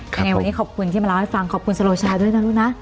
ยังไงวันนี้ขอบคุณที่มาเล่าให้ฟังขอบคุณสโลชาด้วยนะลูกนะ